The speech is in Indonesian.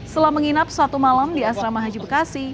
setelah menginap satu malam di asrama haji bekasi